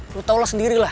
lu tau lah sendirilah